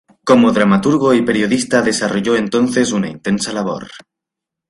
Como dramaturgo y periodista desarrolló entonces una intensa labor.